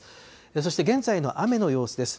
そして現在の雨の様子です。